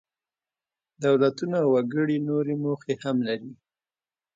دولتونه او وګړي نورې موخې هم لري.